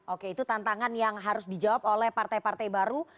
oke itu tantangan yang harus dijawab oleh partai partai baru